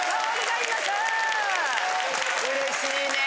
うれしいね。